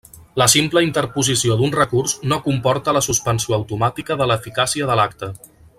La simple interposició d'un recurs no comporta la suspensió automàtica de l'eficàcia de l'acte.